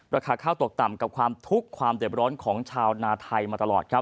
ราคาข้าวตกต่ำกับความทุกข์ความเด็ดร้อนของชาวนาไทยมาตลอดครับ